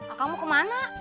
akang mau kemana